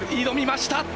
挑みました！